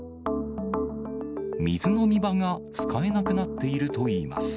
水飲み場が使えなくなっているといいます。